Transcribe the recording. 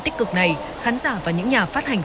tích cực này khán giả và những nhà phát hành